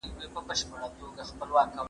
د صفي قلي خان زوی په ښکار کې ووژل شو.